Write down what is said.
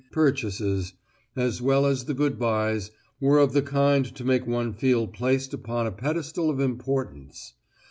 purchases, as well as the good byes, were of the kind to make one feel placed upon a pedestal of importance!